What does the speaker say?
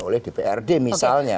oleh dprd misalnya